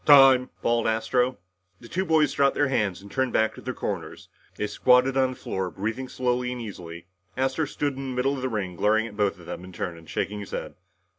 "Time!" bawled Astro. The two boys dropped their hands and turned back to their corners. They squatted on the floor breathing slowly and easily. Astro stood in the middle of the ring, glaring at both of them in turn and shaking his head.